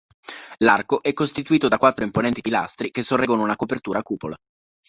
L'arco è costituito da quattro imponenti pilastri che sorreggono una copertura a cupola.